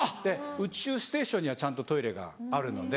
宇宙ステーションにはちゃんとトイレがあるので。